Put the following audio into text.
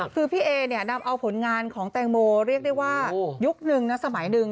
คือพี่เอเนี่ยนำเอาผลงานของแตงโมเรียกได้ว่ายุคนึงนะสมัยหนึ่ง